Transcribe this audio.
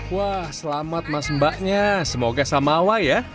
wah selamat mas mbaknya semoga sama awal ya